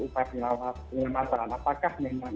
upaya penyelamatan apakah memang